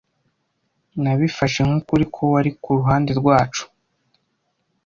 Nabifashe nk'ukuri ko wari ku ruhande rwacu.